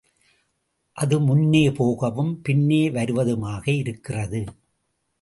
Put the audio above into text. அது முன்னே போகவும் பின்னே வருவதுமாகவே இருக்கிறது.